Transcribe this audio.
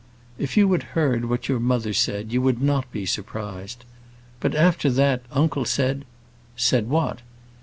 "If you had heard what your mother said, you would not be surprised. But, after that, uncle said " "Said what?"